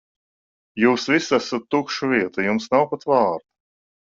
Jūs visi esat tukša vieta, jums nav pat vārda.